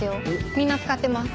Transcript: みんな使ってます。